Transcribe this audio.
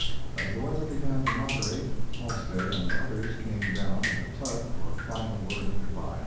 As the weather began to moderate Halstead and others came down in a tug for a final word of good by.